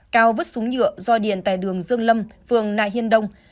cao vứt súng nhựa do điện tại đường dương lâm phường nại hiên đông